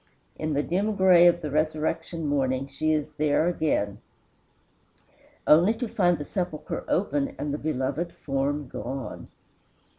In the dim gray of the resurrection morning she is there again, only to find the sepulchre open and the beloved form gone.